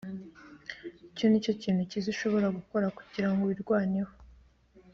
Icyo ni cyo kintu cyiza ushobora gukora kugira ngo wirwaneho.